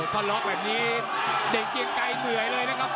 พอล็อกแบบนี้เด็กเกียงไกรเหนื่อยเลยนะครับ